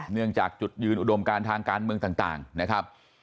เนื่องจากจุดยืนอุดมการทางการเมืองต่างนะครับ